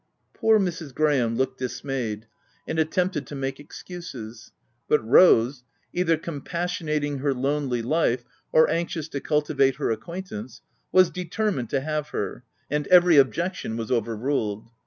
Poor Mrs. Graham looked dismayed, and at tempted to make excuses, but Rose, either com passionating her lonely life, or anxious to culti VOL I. G 122 THE TENANT vate her acquaintance, wa« determined to have her ; and every objection was overruled.